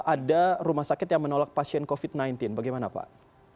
ada rumah sakit yang menolak pasien covid sembilan belas bagaimana pak